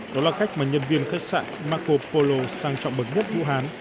đó là cách mà nhân viên khách sạn marco polo sang trọng bậc nhất vũ hán